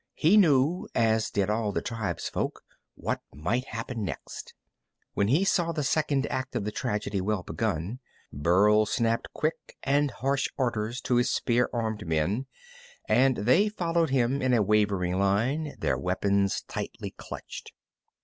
He knew, as did all the tribefolk, what might happen next. When he saw the second act of the tragedy well begun, Burl snapped quick and harsh orders to his spear armed men, and they followed him in a wavering line, their weapons tightly clutched.